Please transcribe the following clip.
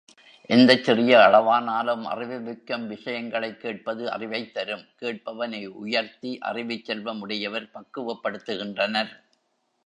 எந்தச் சிறிய அளவானாலும் அறிவுமிக்க விஷயங்களைக் கேட்பது அறிவைத் தரும் கேட்பவனை உயர்த்தி அறிவுச் செல்வம் உடையவர் பக்குவப்படுத்துகின்றனர்.